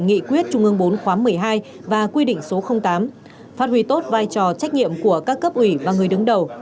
nghị quyết trung ương bốn khóa một mươi hai và quy định số tám phát huy tốt vai trò trách nhiệm của các cấp ủy và người đứng đầu